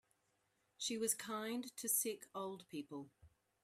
She was kind to sick old people.